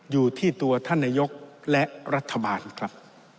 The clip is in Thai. อยู่ที่ตัวท่านนายกและรัฐบาลครับ